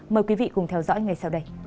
mời quý vị cùng theo dõi ngày sau đây